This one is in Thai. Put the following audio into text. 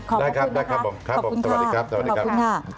ขอบคุณนะคะขอบคุณค่ะขอบคุณค่ะสวัสดีครับสวัสดีครับขอบคุณค่ะ